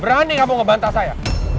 berani kamu ngebantah saya